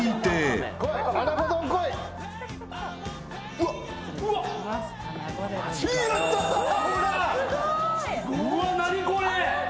うわっ何これ！